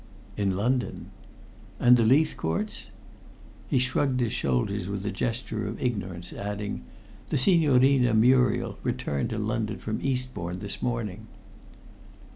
"In London." "And the Leithcourts?" He shrugged his shoulders with a gesture of ignorance, adding: "The Signorina Muriel returned to London from Eastbourne this morning."